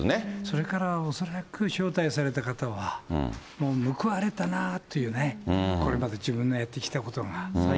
それから恐らく招待された方は、もう報われたなというね、これまで自分がやってきたことが。